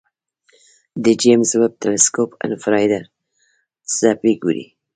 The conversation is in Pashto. د جیمز ویب تلسکوپ انفراریډ څپې ګوري.